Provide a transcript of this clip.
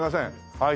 はい。